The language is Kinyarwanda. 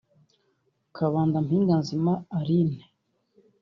Kabanda Mpinganzima Aline